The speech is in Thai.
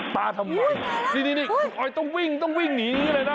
ค่ะโอ้โฮนี่ต้องวิ่งต้องวิ่งหนีเลยนะ